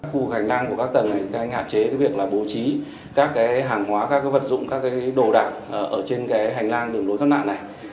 khu hành lang của các tầng đã hạn chế việc bố trí các hàng hóa các vật dụng các đồ đạc ở trên hành lang đường lối thoát nạn này